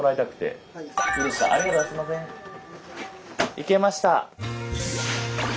いけました。